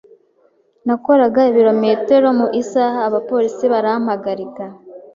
Nakoraga ibirometero mu isaha abapolisi barampagarika.